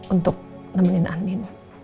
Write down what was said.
untuk nemenin andin